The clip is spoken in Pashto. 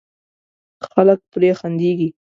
خلک پرې خندېږي.